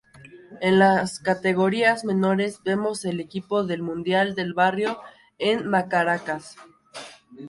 En las categorías menores vemos el equipo del Mundial del Barrio en Macaracas.